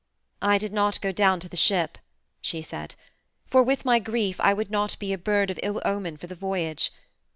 "I did not go down to the ship," she said, "for with my grief I would not be a bird of ill omen for the voyage.